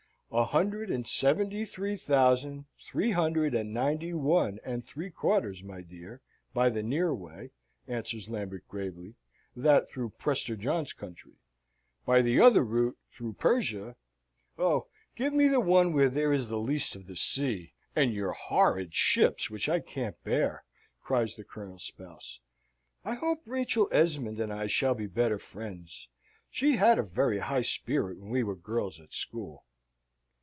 "A hundred and seventy three thousand three hundred and ninety one and three quarters, my dear, by the near way," answers Lambert, gravely; "that through Prester John's country. By the other route, through Persia " "Oh, give me the one where there is the least of the sea, and your horrid ships, which I can't bear!" cries the Colonel's spouse. "I hope Rachel Esmond and I shall be better friends. She had a very high spirit when we were girls at school."